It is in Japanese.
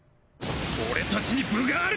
俺達に分がある！